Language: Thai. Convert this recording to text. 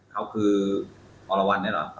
เขาคืออรวรรณเนี่ยเหรอ